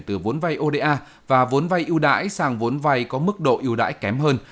từ vốn vay oda và vốn vay yêu đáy sang vốn vay có mức độ yêu đáy kém hơn